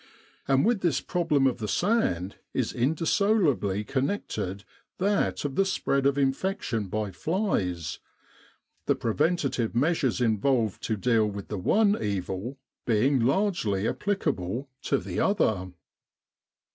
And with this problem of the sand is indissolubly connected that of the spread of infection by flies, the preventive measures involved to deal with the one evil being largely applicable to the other.